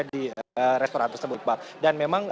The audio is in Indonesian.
di restoran tersebut dan memang